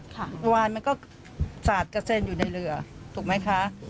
ค่ะวายมันก็สาดเกษ็นอยู่ในเรือถูกไหมคะ